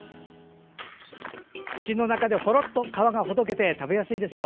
口の中でほろっと皮がほどけて食べやすいですよ。